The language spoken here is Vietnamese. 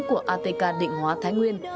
của atk định hóa thái nguyên